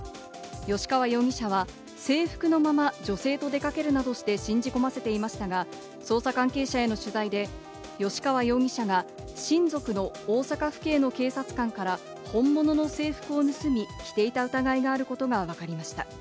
吉川容疑者は制服のまま、女性と出かけるなどして信じ込ませていましたが、捜査関係者への取材で吉川容疑者が親族の大阪府警の警察官から本物の制服を盗み、着ていた疑いがあることがわかりました。